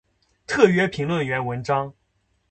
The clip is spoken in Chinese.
特约评论员文章